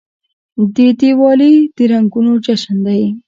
دیوالي د رڼاګانو جشن دی.